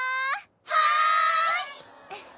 はい！